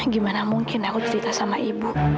gimana mungkin aku cerita sama ibu